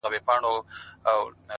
o بيا چي يخ سمال پټيو څخه راسي ـ